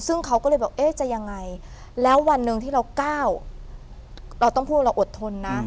ซึ่งเขาก็เลยบอกเอ๊ะจะยังไงแล้ววันหนึ่งที่เราก้าวเราต้องพูดว่าเราอดทนนะ